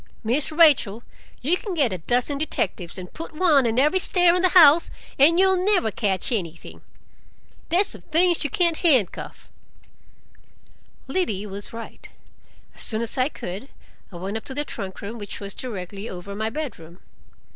Miss Rachel, you can get a dozen detectives and put one on every stair in the house, and you'll never catch anything. There's some things you can't handcuff." Liddy was right. As soon as I could, I went up to the trunk room, which was directly over my bedroom.